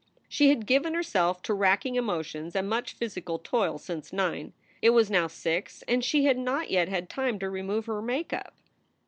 She had given herself to racking emotions and much physical toil since nine. It was now six and she had not yet had time to remove her make up.